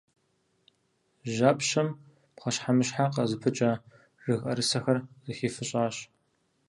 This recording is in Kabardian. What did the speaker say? Жьапщэм пхъэщхьэмыщхьэ къызыпыкӏэ жыг ӏэрысэхэр зэхифыщӏащ.